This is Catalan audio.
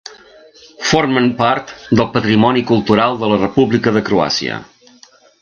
Formen part del patrimoni cultural de la República de Croàcia.